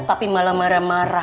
tapi malah marah marah